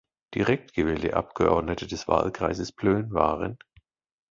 Direkt gewählte Abgeordnete des Wahlkreises Plön waren